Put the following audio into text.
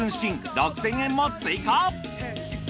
６，０００円も追加。